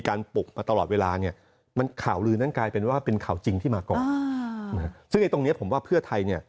ก็เป็นข่าวจริงที่มาก่อนซึ่งในตรงนี้ผมว่าเพื่อไทย